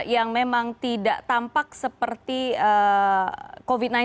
yang memang tidak tampak seperti covid sembilan belas